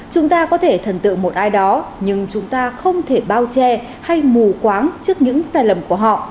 chúng ta có thể thần tượng một ai đó nhưng chúng ta không thể bao che hay mù quáng trước những sai lầm của họ